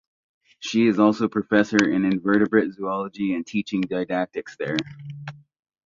She is also Professor in Invertebrate Zoology and Teaching Didactics there.